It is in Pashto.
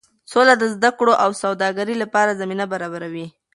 سوله د زده کړې او سوداګرۍ لپاره زمینه برابروي.